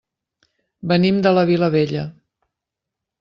Venim de la Vilavella.